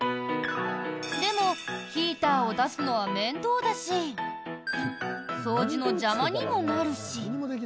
でもヒーターを出すのは面倒だし掃除の邪魔にもなるし。